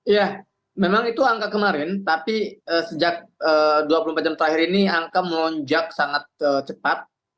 ya memang itu angka kemarin tapi sejak dua puluh empat jam terakhir ini angka melonjak sangat cepat